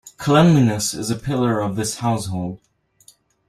Cleanliness is a pillar of this household.